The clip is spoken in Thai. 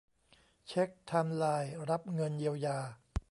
เช็กไทม์ไลน์รับเงินเยียวยา